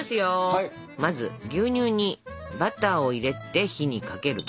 まず牛乳にバターを入れて火にかけると。